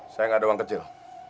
saya nggak ada uang kecil